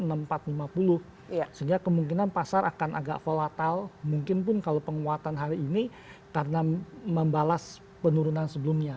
sehingga kemungkinan pasar akan agak volatile mungkin pun kalau penguatan hari ini karena membalas penurunan sebelumnya